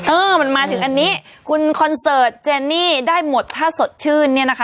เออมันมาถึงอันนี้คุณคอนเสิร์ตเจนี่ได้หมดถ้าสดชื่นเนี่ยนะคะ